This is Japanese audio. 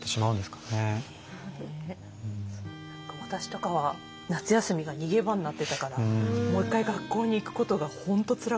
私とかは夏休みが逃げ場になってたからもう一回学校に行くことが本当つらかったからね。